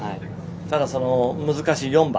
ただ、難しい４番。